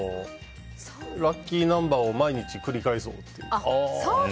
ラッキーナンバーを毎日繰り返そうって。